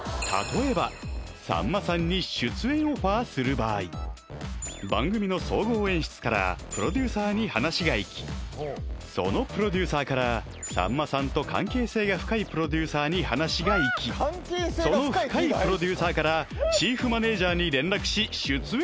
例えば番組の総合演出からプロデューサーに話がいきそのプロデューサーからさんまさんと関係性が深いプロデューサーに話がいきその深いプロデューサーからチーフマネージャーに連絡し出演